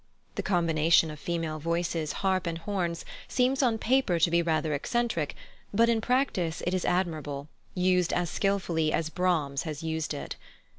The combination of female voices, harp, and horns seems on paper to be rather eccentric, but in practice it is admirable, used as skilfully as Brahms has used it.